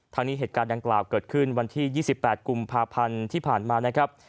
นี้เหตุการณ์ดังกล่าวเกิดขึ้นวันที่๒๘กุมภาพันธ์ที่ผ่านมานะครับ